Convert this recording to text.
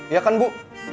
iya kan bu